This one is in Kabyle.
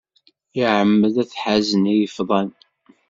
Iɛemmed ad teḥazen ilefḍan.